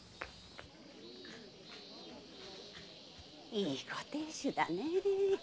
いいご亭主だねぇ。